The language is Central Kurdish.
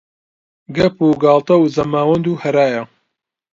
گەپ و گاڵتە و زەماوەند و هەرایە